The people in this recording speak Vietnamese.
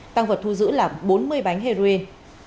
tăng vật thu giữ là bốn mươi bánh heroin